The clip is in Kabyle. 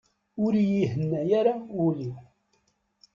Ur iyi-ihenna ara wul-w.